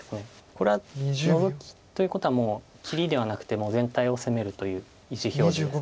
これはノゾキということはもう切りではなくて全体を攻めるという意思表示です。